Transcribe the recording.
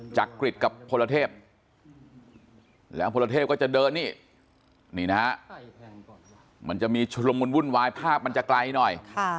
จักริตกับพลเทพแล้วพลเทพก็จะเดินนี่นี่นะฮะมันจะมีชุดละมุนวุ่นวายภาพมันจะไกลหน่อย